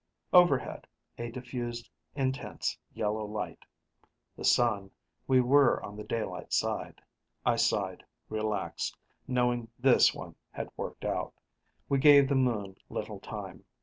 Overhead, a diffused, intense yellow light. The sun we were on the daylight side. I sighed, relaxed, knowing this one had worked out. We gave the moon little time.